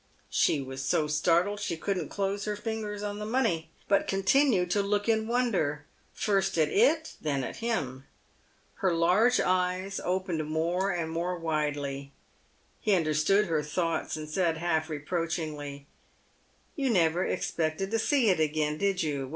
She was so startled she couldn't close her fingers on the money, but continued to look in wonder, first at it, then at him. Her large eyes opened more and more widely. He understood her thoughts, and said, half reproachingly, " You never expected to see it again, did you